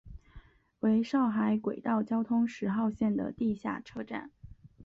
为上海轨道交通十号线的地下车站。